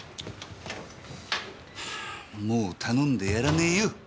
もう頼んでやらねぇよ！